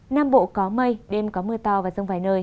nam bộ có mây đêm có mưa to và rông vài nơi